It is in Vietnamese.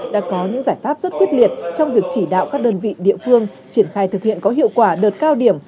đã có những giải pháp rất quyết liệt trong việc chỉ đạo các đơn vị địa phương triển khai thực hiện có hiệu quả đợt cao điểm